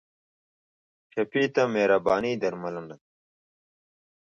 ټپي ته مهرباني درملنه ده.